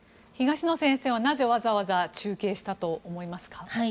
東野先生は、なぜわざわざ中継したと思いますか？